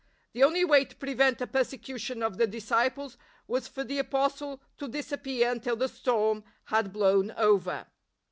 The only way to prevent a persecution of the disciples was for the Apostle to disappear until the storm had blown over.